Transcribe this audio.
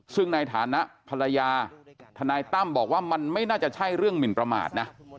ซึ่งในฐานะภรรยาทนายตั้มบอกว่ามันไม่น่าจะใช่เรื่องหมินประมาทนะ